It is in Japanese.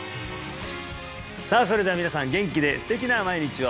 さあそれでは皆さん元気で素敵な毎日を！